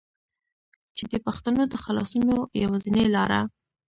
چې دې پښتنو د خلاصونو يوازينۍ لاره